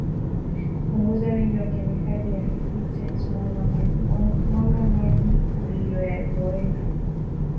Kupunguza wingi wa kemikali ya phytates mwaga maji uliyoyaloweka